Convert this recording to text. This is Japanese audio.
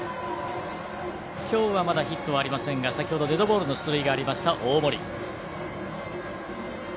今日はまだヒットはありませんが先ほどデッドボールの出塁がありました、大森。